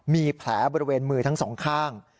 มีแผลบริเวณมือทั้งสองข้าง